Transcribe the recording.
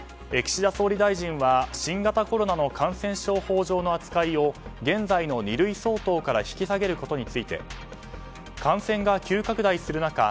岸田総理大臣は新型コロナの感染症法上の扱いを現在の二類相当から引き下げることについて感染が急拡大する中